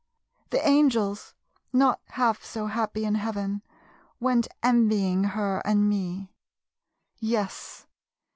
The angels, not half so happy in heaven, Went envying her and me; Yes!